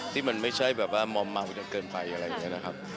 ที่มันไม่ใช่แบบว่ามอมเมาจนเกินไปอะไรอย่างนี้นะครับ